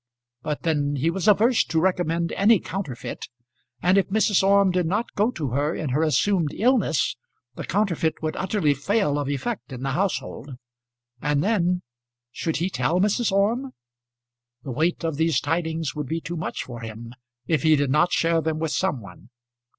But then he was averse to recommend any counterfeit; and if Mrs. Orme did not go to her in her assumed illness, the counterfeit would utterly fail of effect in the household. And then, should he tell Mrs. Orme? The weight of these tidings would be too much for him, if he did not share them with some one.